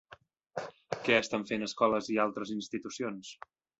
Què estan fent escoles i altres institucions?